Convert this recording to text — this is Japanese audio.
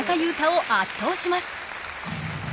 汰を圧倒します。